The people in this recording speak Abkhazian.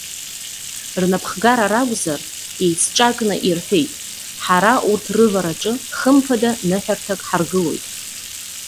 Рнапхгара ракәзар, иеицҿакны ирҳәеит:- Ҳара урҭ рывараҿы хымԥада ныҳәарҭак ҳаргылоит.